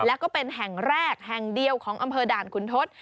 แล้วก็เป็นแห่งแรกแห่งเดียวของอำเภอด่านขุนทศ